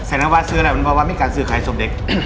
ใส่น้ำวาซซื้อแหละมันก็ว่าไม่การซื้อขายสมเด็ก